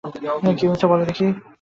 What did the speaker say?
কী হয়েছে বলো দেখি।